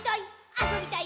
あそびたい！